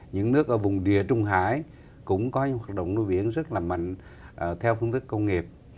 những nước ở vùng địa trung hải cũng có những hoạt động nuôi biển rất là mạnh theo phương thức công nghiệp